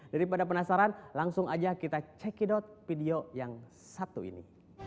daripada penasaran langsung aja kita cek it out video yang satu ini